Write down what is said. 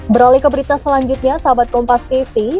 beralih ke berita selanjutnya sahabat kompas eti